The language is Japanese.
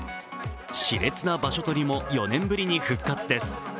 しれつな場所取りも４年ぶりに復活です。